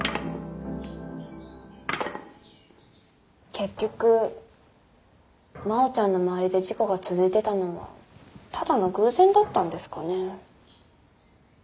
結局真央ちゃんの周りで事故が続いてたのはただの偶然だったんですかねー。